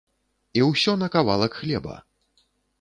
І ўсё на кавалак хлеба!